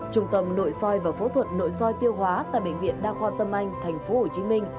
trung tâm nội soi và phẫu thuật nội soi tiêu hóa tại bệnh viện đa khoa tâm anh tp hcm